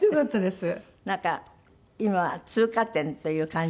なんか今通過点っていう感じ？